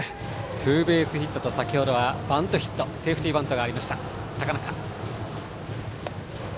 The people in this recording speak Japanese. ツーベースヒットと先程はセーフティーバントがありました高中。